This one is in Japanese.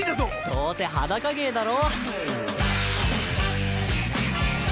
どうせ裸芸だろ？